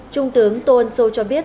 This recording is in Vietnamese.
trung tướng tô ân sô cho biết